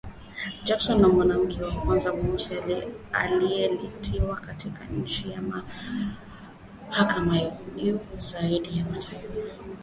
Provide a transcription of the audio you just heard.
Jackson, mwanamke wa kwanza mweusi kuteuliwa katika kiti cha mahakama ya juu zaidi ya taifa.